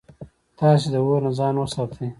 تاسي د اور نه ځان وساتئ